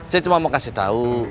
saya cuma mau kasih tahu